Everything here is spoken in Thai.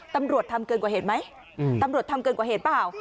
ตำรวจทำเกินกว่าเหตุไหมตำรวจทำเกินกว่าเหตุเปล่า